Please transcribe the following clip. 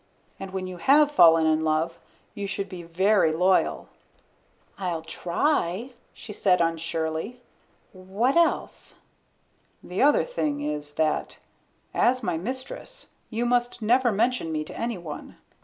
And when you have fallen in love, you should be very loyal." "I'll try," she said unsurely. "What else?" "The other thing is that, as my mistress, you must never mention me to anyone.